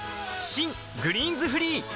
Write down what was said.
新「グリーンズフリー」